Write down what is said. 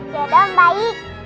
yaudah om baik